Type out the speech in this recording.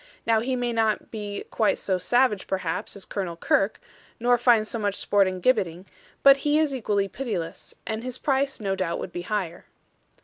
Now he may not be quite so savage perhaps as Colonel Kirke, nor find so much sport in gibbeting; but he is equally pitiless, and his price no doubt would be higher.'